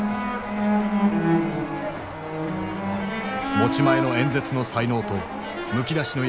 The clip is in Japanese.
持ち前の演説の才能とむき出しの野心。